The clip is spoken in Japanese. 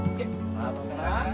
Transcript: さあどうかな？